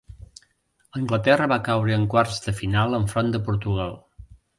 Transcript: Anglaterra va caure en quarts de final enfront de Portugal.